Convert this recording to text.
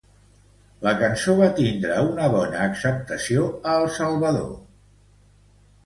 La cançó va tindre una bona acceptació a El Salvador.